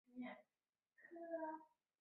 莱斯帕罗谢。